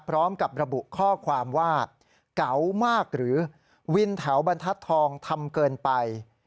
พร้อมกับระบุข้อความว่าเก๋ามากหรือวินแถวบรรทัศน์ทองทำเกินไป